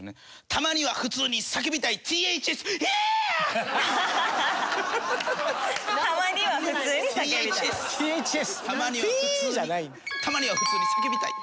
「たまには普通に叫びたい」。